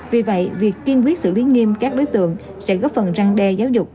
vì vậy việc kiên quyết xử lý nghiêm các đối tượng sẽ góp phần răng đe giáo dục